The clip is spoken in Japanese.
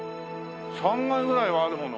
３階ぐらいはあるもの。